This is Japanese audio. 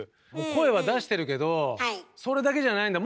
「声は出してるけどそれだけじゃないんだ